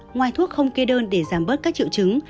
ngoài thuốc không kê đơn để giảm bớt các triệu chứng